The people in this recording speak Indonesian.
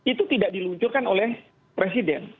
itu tidak diluncurkan oleh presiden